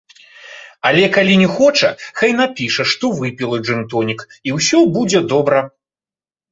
Але, калі не хоча, хай напіша, што выпіла джын-тонік, і ўсё будзе добра.